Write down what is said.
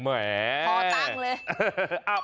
พอตั้งเลย